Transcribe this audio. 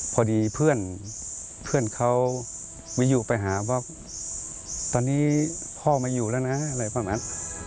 พอดีเพื่อนเขาวิยุไปหาว่าตอนนี้พ่อไม่อยู่แล้วนะอะไรแบบนั้น